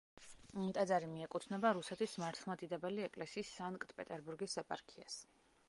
ტაძარი მიეკუთვნება რუსეთის მართლმადიდებელი ეკლესიის სანქტ-პეტერბურგის ეპარქიას.